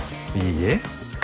いいえ。